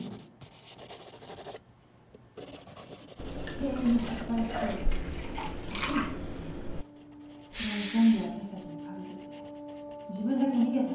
経営に失敗して借金作ってそれを全部私たちにかぶせて自分だけ逃げたんです。